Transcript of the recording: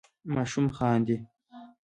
ماشوم خاندي.